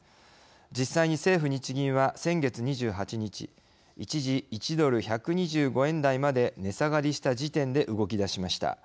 実際に政府日銀は、先月２８日一時１ドル１２５円台まで値下がりした時点で動き出しました。